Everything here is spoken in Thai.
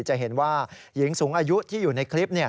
จะเห็นว่าหญิงสูงอายุที่อยู่ในคลิป